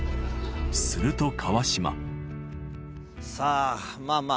すると川島さぁまぁまぁ。